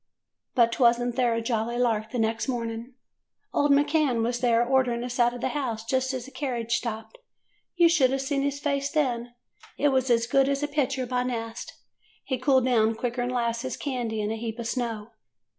"But was n't there a jolly lark the next morning ! Old McCann was there ordering us out of the house, just as the carriage stopped. You should a' seen his face then. It was as good as a picture by Nast. He cooled down quicker 'n 'lasses candy in a heap of snow.